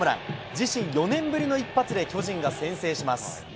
自身４年ぶりの一発で巨人が先制します。